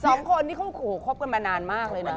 สองคนที่คงคบกันมานานมากเลยนะ